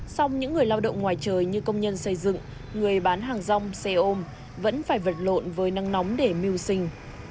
song những người lao động ngoài trời như công nhân xây dựng người bán hàng rong xe ôm vẫn phải vật lộn với nắng nóng để mưu sinh